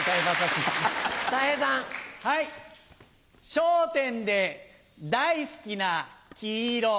『笑点』で大好きな黄色。